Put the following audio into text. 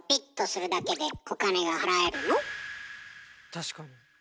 確かに。